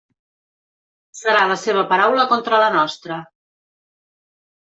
Serà la seva paraula contra la nostra.